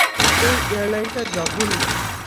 এই এয়ারলাইনটা জঘন্য।